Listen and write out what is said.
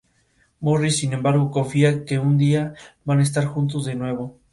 Koichi perdió a sus padres en la explosión, pero mantuvo pendiente de su madre.